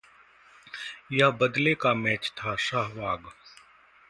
यह बदले का मैच था: सहवाग